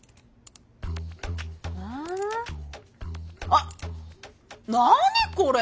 ああっ何これ？